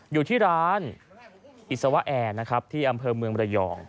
อยู่ที่ร้านอิสวะแอร์นะครับที่อำเภอเมืองระยอง